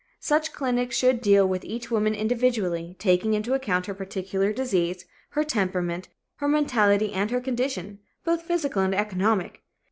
Such clinics should deal with each woman individually, taking into account her particular disease, her temperament, her mentality and her condition, both physical and economic.